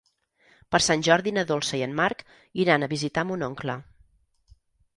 Per Sant Jordi na Dolça i en Marc iran a visitar mon oncle.